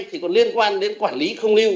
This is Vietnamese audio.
thì còn liên quan đến quản lý không lưu